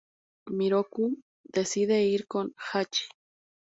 Miroku decide ir con Hachi.